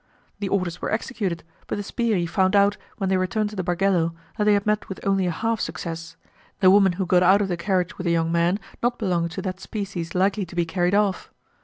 The orders were executed, but the 'sbirri' found out, when they returned to the bargello, that they had met with only a half success, the woman who got out of the carriage with the young man not belonging to that species likely to be carried off.